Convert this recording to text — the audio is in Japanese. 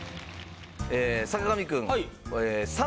坂上くん。